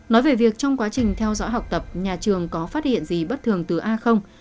nói về việc trong quá trình theo dõi học tập nhà trường có phát hiện gì bất thường từ a